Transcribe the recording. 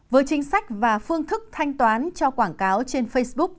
với chính sách và phương thức thanh toán cho quảng cáo trên facebook